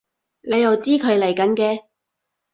你又知佢嚟緊嘅？